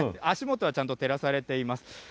足元はちゃんと照らされています。